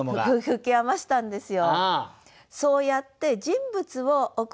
吹き余したんですよ。